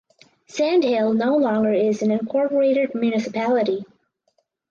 Sand Hill no longer is an incorporated municipality.